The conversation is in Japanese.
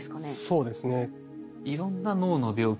そうですね。